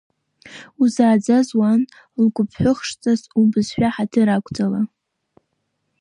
Узааӡаз уан лгәыԥҳәыхшҵас, убызшәа ҳаҭыр ақәҵала.